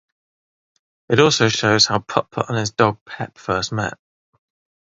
It also shows how Putt-Putt and his dog Pep first met.